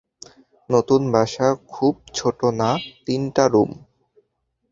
নতুন বাসা খুব ছোট না-তিনটা রুম।